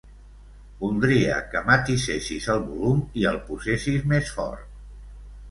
Voldria que matisessis el volum i el posessis més fort.